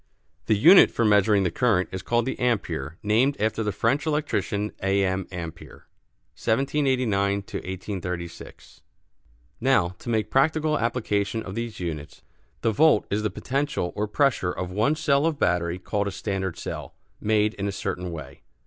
The unit for measuring the current is called the "ampère," named after the French electrician, A. M. Ampère (1789 1836). Now, to make practical application of these units. The volt is the potential or pressure of one cell of battery called a standard cell, made in a certain way.